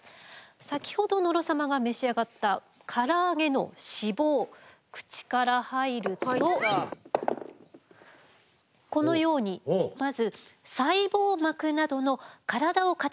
先ほど野呂様が召し上がったからあげの脂肪口から入るとこのようにまず細胞膜などの体を形づくるための材料になります。